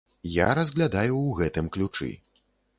Я разглядаю ў гэтым ключы.